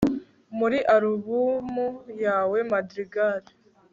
Muri alubumu yawe madrigal